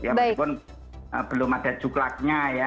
ya meskipun belum ada juklaknya ya